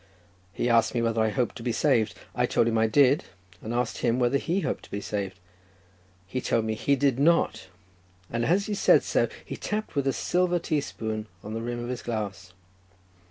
He asked me whether I hoped to be saved; I told him I did, and asked him whether he hoped to be saved. He told me he did not, and as he said so, he tapped with a silver tea spoon on the rim of his glass.